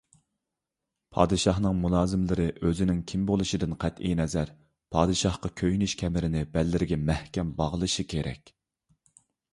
پادىشاھنىڭ مۇلازىملىرى ئۆزىنىڭ كىم بولۇشىدىن قەتئىينەزەر، پادىشاھقا كۆيۈنۈش كەمىرىنى بەللىرىگە مەھكەم باغلىشى كېرەك.